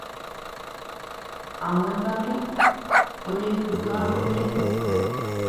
Ág̃akatu, ojehuha, ojehu.